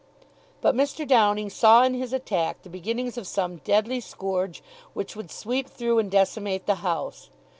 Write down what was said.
But Mr. Downing saw in his attack the beginnings of some deadly scourge which would sweep through and decimate the house.